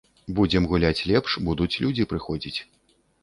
Будзем гуляць лепш, будуць людзі прыходзіць.